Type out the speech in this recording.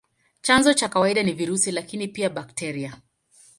Chanzo cha kawaida ni virusi, lakini pia bakteria.